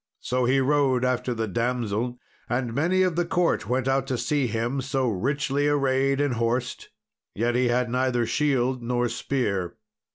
So he rode after the damsel, and many of the court went out to see him, so richly arrayed and horsed; yet he had neither shield nor spear.